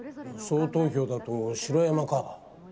予想投票だと城山か。